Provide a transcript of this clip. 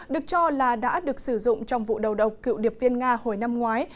được cho là đã được sử dụng trong vụ đầu độc cựu điệp viên nga hồi năm ngoái